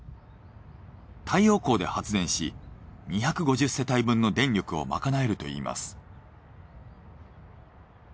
太陽光で発電し２５０世帯分の電力を賄えるといいます。